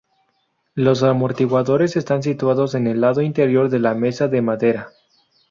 Los amortiguadores están situados en el lado interior de la mesa de madera.